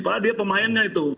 padahal dia pemainnya itu